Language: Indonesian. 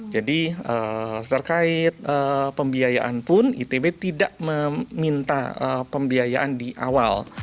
jadi terkait pembiayaan pun itb tidak meminta pembiayaan di awal